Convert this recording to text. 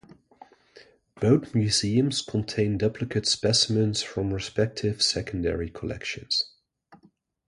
Both museums contain duplicate specimens from respective secondary collections.